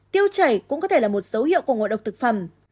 tiêu chảy cũng có thể là một dấu hiệu của ngộ độc thực phẩm